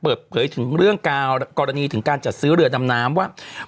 เปิดเผยถึงเรื่องกรณีถึงการจัดซื้อเรือดำน้ำว่า